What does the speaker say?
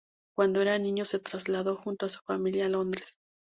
Cuando era niño se trasladó junto a su familia a Londres.